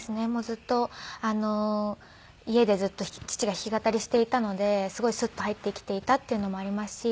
ずっと家で父が弾き語りしていたのですごいスッと入ってきていたっていうのもありますし。